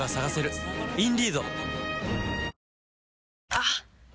あっ！